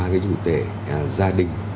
ba cái chủ thể là gia đình